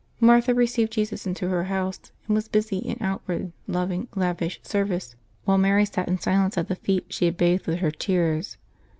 Martha received Jesus into her house, and was busy in outward, loving, lavish service, while Mary sat in silence at the feet she had bathed with her tears.